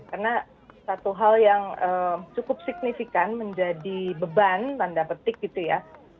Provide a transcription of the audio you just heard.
karena satu hal yang cukup signifikan menjadi beban tanda petik gitu ya